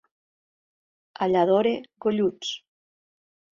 A Lladorre, golluts.